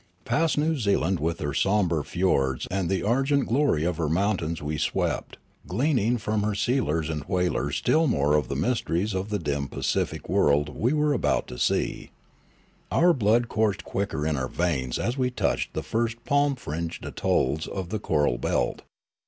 Past New Zealand with her sombre fiords and the argent glory of her mountains we swept, gleaning from her sealers and whalers still more of the mysteries of the dim Pacific world we were about to Resurrections 13 see. Our blood coursed quicker in our veins as we touched the first pahu fringed atolls of the coral belt.